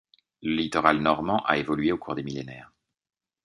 Le littoral normand a évolué au cours des millénaires.